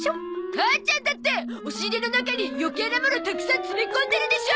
母ちゃんだって押し入れの中に余計なものたくさん詰め込んでるでしょ！